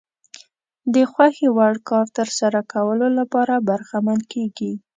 د خوښې وړ کار ترسره کولو لپاره برخمن کېږي.